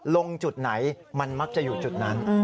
ลงจุดไหนมันมักจะอยู่จุดนั้น